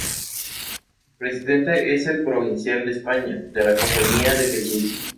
Su presidente es el Provincial de España de la Compañía de Jesús.